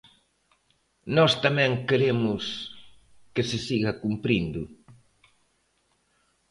Nós tamén queremos que se siga cumprindo.